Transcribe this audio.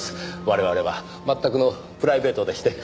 我々は全くのプライベートでして。